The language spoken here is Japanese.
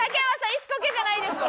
椅子コケじゃないです。